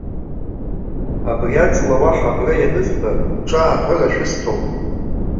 Абри аҵла уаҳа абра ианызба, ҿааҳәыра шәысҭом!